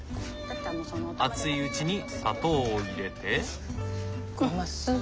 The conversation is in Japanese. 熱いうちに砂糖を入れて。